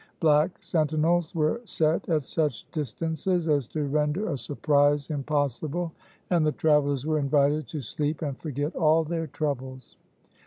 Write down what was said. Black sentinels were set at such distances as to render a surprise impossible, and the travelers were invited to sleep and forget all their troubles.